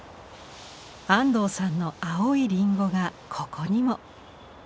安藤さんの「青いりんご」がここにも。